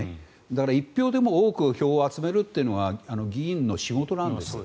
だから、１票でも多く票を集めるというのが議員の仕事なんです。